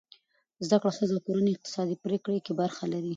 زده کړه ښځه د کورنۍ اقتصادي پریکړې کې برخه لري.